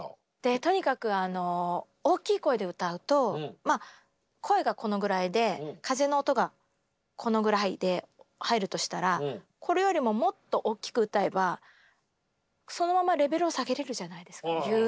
とにかく大きい声で歌うと声がこのぐらいで風の音がこのぐらいで入るとしたらこれよりももっと大きく歌えばそのままレベルを下げれるじゃないですかギューッと。